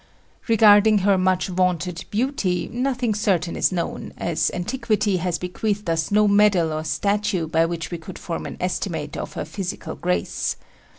Regarding her much vaunted beauty, nothing certain is known, as antiquity has bequeathed to us no medal or statue by which we could form an estimate of her physical grace.